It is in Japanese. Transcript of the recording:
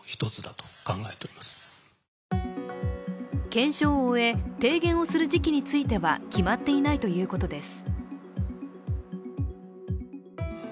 検証を終え、提言をする時期については決まっていないということです。